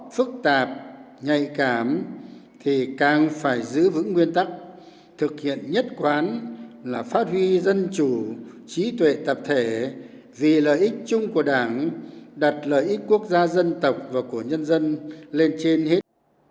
phức tạp nhạy cảm thì càng phải giữ vững nguyên tắc thực hiện nhất quán là phát huy dân chủ trí tuệ tập thể vì lợi ích chung của đảng đặt lợi ích quốc gia dân tộc và của nhân dân lên trên hết